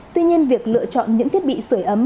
tuy nhiên việc lựa chọn những thiết bị sửa ấm